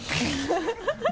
ハハハ